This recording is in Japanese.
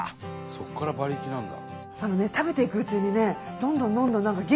そこから「馬力」なんだ。